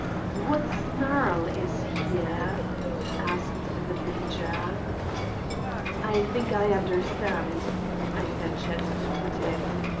"What snarl is here?" asked the major. "I think I understand," I ventured to put in.